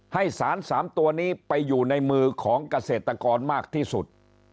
ให้สาร๓ตัวนี้ไปอยู่ในมือของเกษตรกรมากที่สุด